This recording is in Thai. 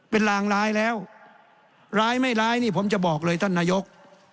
เป็นรางร้ายแล้วร้ายไม่ร้ายนี่ผมจะบอกเลยท่านนายก